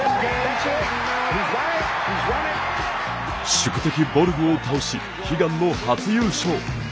宿敵・ボルグを倒し悲願の初優勝。